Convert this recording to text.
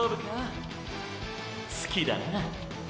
好きだな。